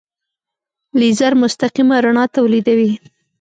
لیزر مستقیمه رڼا تولیدوي.